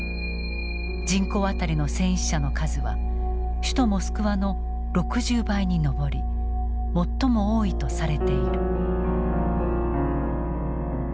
人口当たりの戦死者の数は首都モスクワの６０倍に上り最も多いとされている。